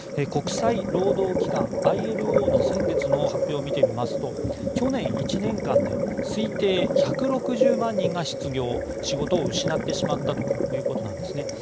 国際労働機関・ＩＬＯの先月の発表を見てみますと去年１年間で推定１６０万人が失業仕事を失ってしまったということなんですね。